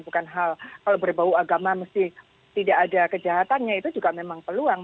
bukan hal kalau berbau agama mesti tidak ada kejahatannya itu juga memang peluang